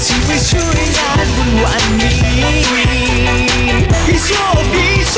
อีก๓สาม